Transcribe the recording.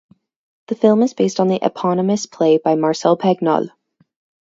The film is based on the eponymous play by Marcel Pagnol.